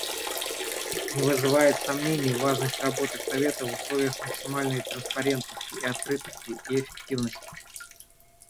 Не вызывает сомнений важность работы Совета в условиях максимальной транспарентности, открытости и эффективности.